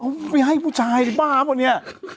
เอ้าไม่ให้ผู้ชายอีบ้าพอเนี่ย